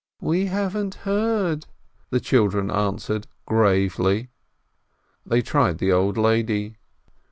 "We haven't heard !" the children answered gravely. They tried the old lady.